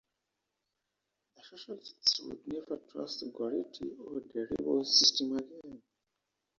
The Socialists would never trust Giolitti or the liberal system again.